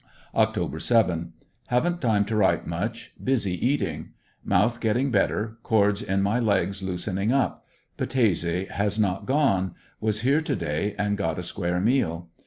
Oct. 7 — Havn't time to write much; busy eating. Mouth get ting better, cords in my legs loosening up. Battese has not gone; was here to day and got a square meal.